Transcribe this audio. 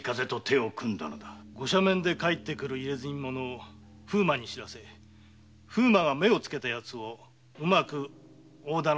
ご赦免で帰ってくる「入墨者」を風馬に知らせ風馬が目をつけたヤツをうまく大店に世話をする。